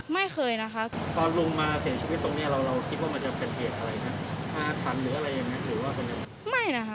แกบุญนะว่าแกมีโรคอะไรแกเคยเคยไหม